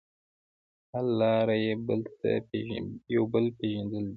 حل لاره یو بل پېژندل دي.